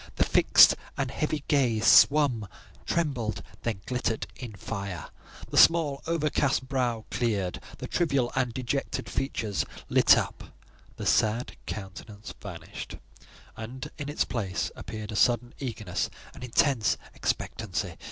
The fixed and heavy gaze swum, trembled, then glittered in fire; the small, overcast brow cleared; the trivial and dejected features lit up; the sad countenance vanished, and in its place appeared a sudden eagerness, an intense expectancy.